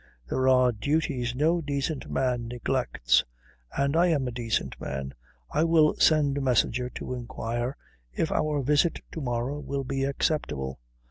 There are duties no decent man neglects. And I am a decent man. I will send a messenger to inquire if our visit to morrow will be acceptable.